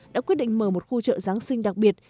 đã quyết định mở một khu chợ giáng sinh đặc biệt